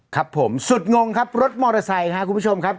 ครับผมสุดงงครับรถมอเตอร์ไซค์ครับคุณผู้ชมครับ